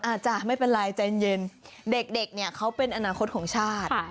จ้ะไม่เป็นไรใจเย็นเด็กเนี่ยเขาเป็นอนาคตของชาติ